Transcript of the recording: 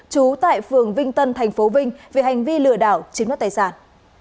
trú tại phường vinh tân thành phố vinh về hành vi lừa đảo chiếm đất tài sản